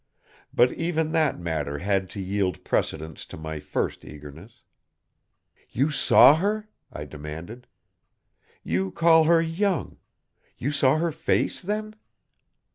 But even that matter had to yield precedence to my first eagerness. "You saw her?" I demanded. "You call her young. You saw her face, then?"